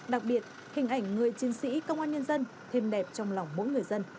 đặc biệt hình ảnh người chiến sĩ công an nhân dân thêm đẹp trong lòng mỗi người dân